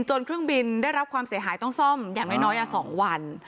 เครื่องบินได้รับความเสียหายต้องซ่อมอย่างน้อย๒วัน